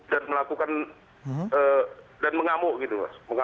dan melakukan dan mengamuk gitu